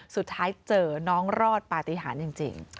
สุดท้ายเจอน้องรอดปฏิหารจริง